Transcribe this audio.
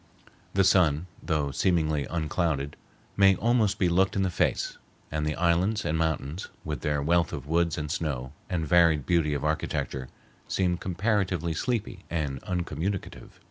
The sun, though seemingly unclouded, may almost be looked in the face, and the islands and mountains, with their wealth of woods and snow and varied beauty of architecture, seem comparatively sleepy and uncommunicative.